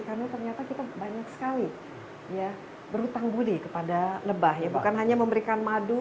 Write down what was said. jadi ternyata kita banyak sekali ya berhutang budi kepada lebah ya bukan hanya memberikan madu